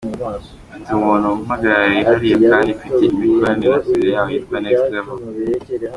Mfite umuntu umpagarariye hariya kandi mfite imikoranire na studio yaho yitwa Next Level”.